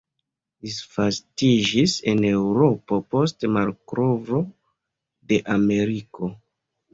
Disvastiĝis en Eŭropo post malkovro de Ameriko.